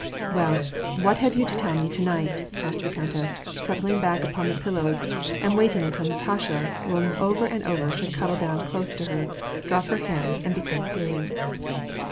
"Well, what have you to tell me to night?" asked the countess, settling back upon the pillows, and waiting until Natasha, rolling over and over, should cuddle down close to her, drop her hands, and become serious.